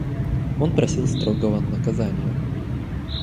Он просил строгого наказания.